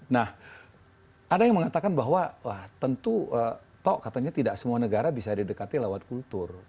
nah ada yang mengatakan bahwa tentu toh katanya tidak semua negara bisa didekati lewat kultur